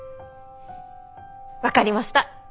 分かりました！